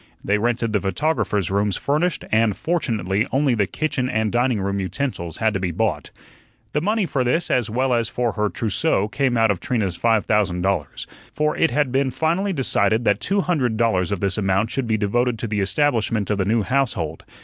They rented the photographer's rooms furnished, and fortunately only the kitchen and dining room utensils had to be bought. The money for this as well as for her trousseau came out of Trina's five thousand dollars. For it had been finally decided that two hundred dollars of this amount should be devoted to the establishment of the new household.